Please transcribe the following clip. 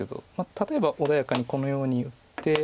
例えば穏やかにこのように打って。